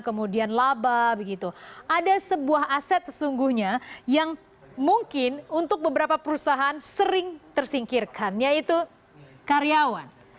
kemudian laba ada sebuah aset sesungguhnya yang mungkin untuk beberapa perusahaan sering tersingkirkan yaitu karyawan